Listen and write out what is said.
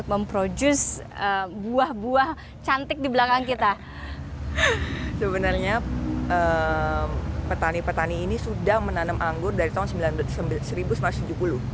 petani petani ini sudah menanam anggur dari tahun seribu sembilan ratus tujuh puluh